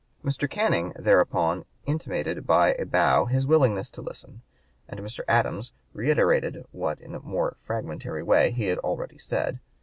'" Mr. Canning thereupon intimated by a bow his willingness to listen, and Mr. Adams reiterated what in a more fragmentary way he had already said.